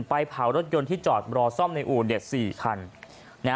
ไปเผารถยนต์ที่จอดรอซ่อมในอู่๔คัน